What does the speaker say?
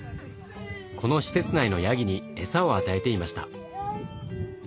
この施設内のヤギに餌を与えていました。